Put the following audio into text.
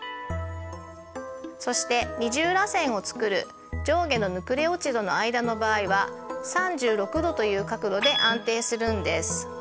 そして二重らせんをつくる上下のヌクレオチドの間の場合は３６度という角度で安定するんです。